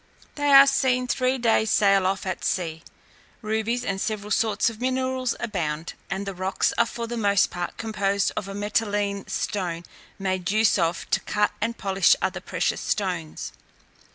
They are seen three days' sail off at sea. Rubies and several sorts of minerals abound, and the rocks are for the most part composed of a metalline stone made use of to cut and polish other precious stones.